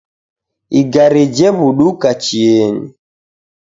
Igari jewuduka chienyi